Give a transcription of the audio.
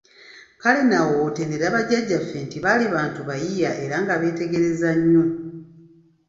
Kale nno awo w'otendera Bajjaajjaafe nti baali bantu bayiiya era nga beetegereza nnyo.